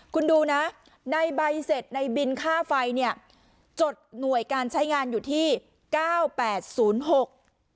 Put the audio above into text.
คุณดูนะในใบเสร็จในบินค่าไฟเนี่ยจดหน่วยการใช้งานอยู่ที่เก้าแปดศูนย์หก